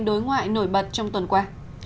đối ngoại nổi bật trong tuần qua